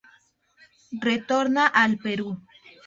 Retorna al Perú.